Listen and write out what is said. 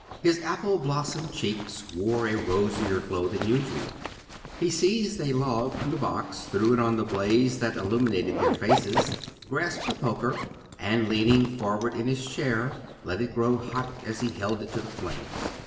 His apple blossom cheeks wore a rosier glow than usual. He seized a log from the box, threw it on the blaze that illumined their faces, grasped the poker, and leaning forward in his chair let it grow hot as he held it to the flames.